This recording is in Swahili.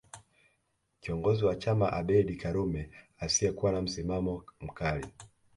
Kiongozi wa chama Abeid Karume asiyekuwa na msimamo mkali